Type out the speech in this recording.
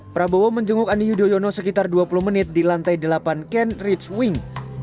prabowo menjenguk ani yudhoyono sekitar dua puluh menit di lantai delapan ken rich wing